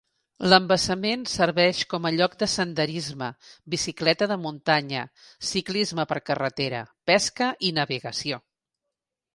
L'embassament serveix com lloc de senderisme, bicicleta de muntanya, ciclisme per carretera, pesca i navegació.